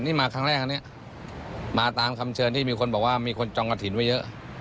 นี่มาครั้งแรกอันนี้มาตามคำเชิญที่มีคนบอกว่ามีคนจองกระถิ่นไว้เยอะ